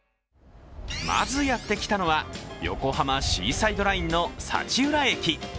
まずやってきたのは、横浜シーサイドラインの幸浦駅。